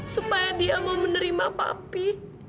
supaya dia mau menerima papi